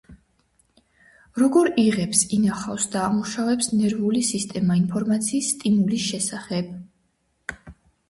როგორ იღებს, ინახავს და ამუშავებს ნერვული სისტემა ინფორმაციას სტიმულის შესახებ?